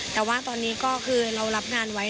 แต่ว่าตอนนี้ก็คือเรารับงานไว้